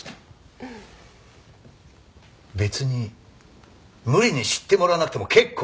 別に無理に知ってもらわなくても結構！